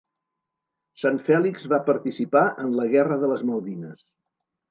San Felix va participar en la Guerra de les Malvines.